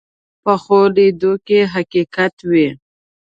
پخو لیدو کې حقیقت وي